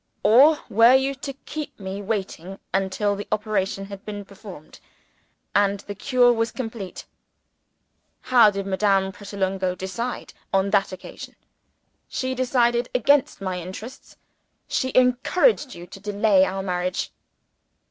Or were you to keep me waiting until the operation had been performed, and the cure was complete? How did Madame Pratolungo decide on that occasion? She decided against my interests; she encouraged you to delay our marriage."